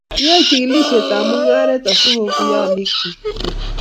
Yoei chikilishiet ab mungaret asikoguyo alik chik